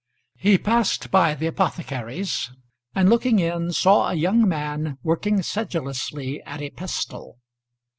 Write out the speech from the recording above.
He passed by the apothecary's, and looking in saw a young man working sedulously at a pestle.